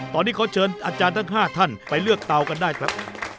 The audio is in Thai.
ตอนนี้ขอเชิญอาจารย์ทั้ง๕ท่านไปเลือกเตากันได้ครับ